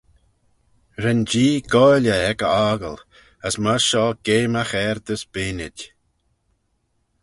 Ren Jee goaill eh ec e 'ockle, as myr shoh geamagh er dys beaynid.